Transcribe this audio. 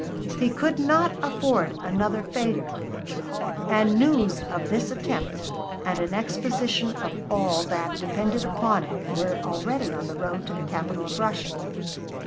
He could not afford another failure; and news of this attempt and an exposition of all that depended upon it were already on the road to the capital of Russia.